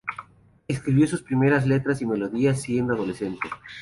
Escribió sus primeras letras y melodías siendo adolescente.